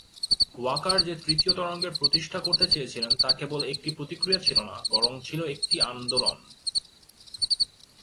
ওয়াকার যে তৃতীয় তরঙ্গের প্রতিষ্ঠা করতে চেয়েছিলেন তা কেবল একটি প্রতিক্রিয়া ছিল না, বরং ছিল একটি আন্দোলন।